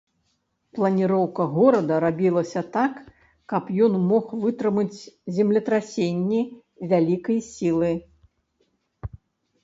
Планіроўка горада рабілася так, каб ён мог вытрымаць землетрасенні вялікай сілы.